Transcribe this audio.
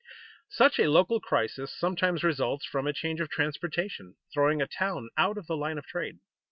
Such a local crisis sometimes results from a change of transportation, throwing a town out of the line of trade.